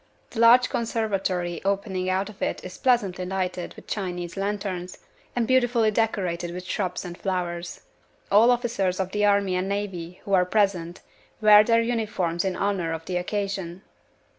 The large conservatory opening out of it is pleasantly lighted with Chinese lanterns, and beautifully decorated with shrubs and flowers. All officers of the army and navy who are present wear their uniforms in honor of the occasion.